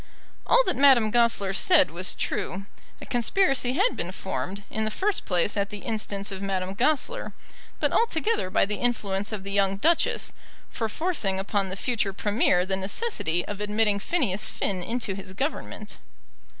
All that Madame Goesler said was true. A conspiracy had been formed, in the first place at the instance of Madame Goesler, but altogether by the influence of the young Duchess, for forcing upon the future Premier the necessity of admitting Phineas Finn into his Government.